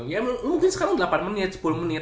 ya mungkin sekarang delapan menit sepuluh menit